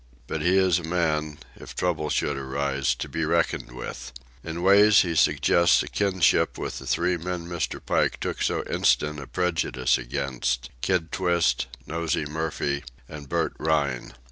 But he is a man, if trouble should arise, to be reckoned with. In ways he suggests a kinship with the three men Mr. Pike took so instant a prejudice against—Kid Twist, Nosey Murphy, and Bert Rhine.